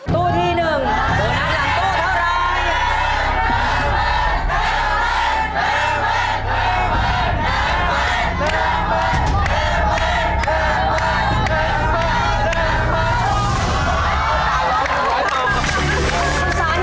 ตู้ที่๑โบนัสหลังตู้เท่าไร